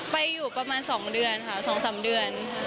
ไปอยู่ประมาณสองเดือนค่ะสองสามเดือนค่ะ